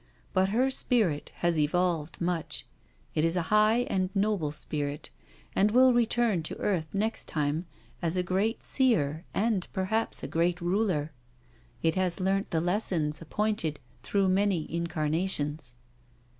But her spirit has evolved much— it is a high and noble spirit, and will return to earth next time as a great seer and perhaps a great ruler. It has learnt the lessons ap pointed through many incarnations."